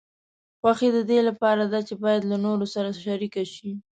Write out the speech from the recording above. خوښي د دې لپاره ده چې باید له نورو سره شریکه شي.